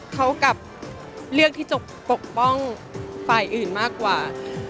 เขากลับเลือกที่จะปกป้องฝ่ายอื่นมากกว่า